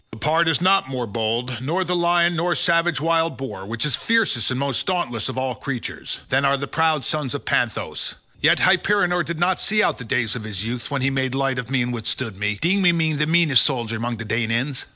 The pard is not more bold, nor the lion nor savage wild boar, which is fiercest and most dauntless of all creatures, than are the proud sons of Panthous. Yet Hyperenor did not see out the days of his youth when he made light of me and withstood me, deeming me the meanest soldier among the Danaans.